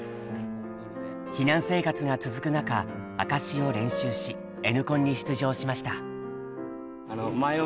避難生活が続く中「証」を練習し「Ｎコン」に出場しました。